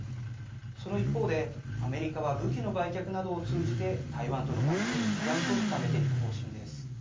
その一方で、アメリカは武器の売却などを通じて台湾との関係を一段と深めていく方針です。